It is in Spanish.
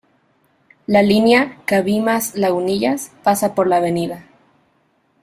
La línea Cabimas-Lagunillas pasa por la Av.